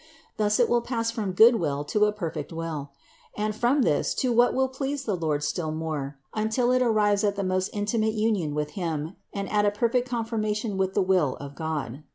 Thus it will pass from good will to a perfect will, and from this to what will please the Lord still more, until it arrives at the most intimate union with Him and at a perfect conformation with the will of God.